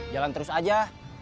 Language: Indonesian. jalan terus aja